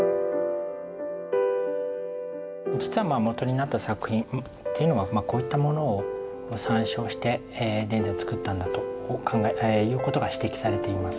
実はまあ元になった作品っていうのがこういったものを参照して田善作ったんだと考えということが指摘されています。